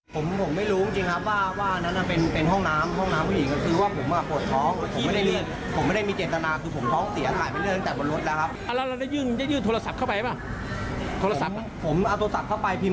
ผมได้วิ่งเข้าให้ห้องน้ำผมไม่ได้มองภาคเนี้ย